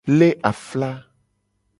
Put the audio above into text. Le afla.